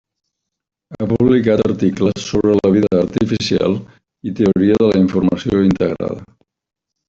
Ha publicat articles sobre vida artificial i teoria de la informació integrada.